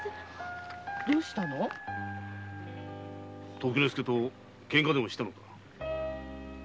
時之介とけんかでもしたのか？